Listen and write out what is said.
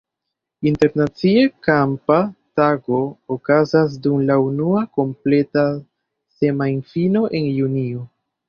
Internacie kampa tago okazas dum la unua kompleta semajnfino en junio.